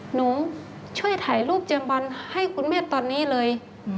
หนูช่วยถ่ายรูปเจียมบันให้คุณแม่ตอนนี้เลย